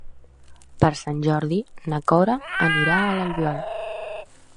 Per Sant Jordi na Cora anirà a l'Albiol.